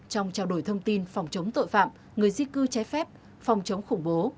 trong trao đổi thông tin phòng chống tội phạm người di cư trái phép phòng chống khủng bố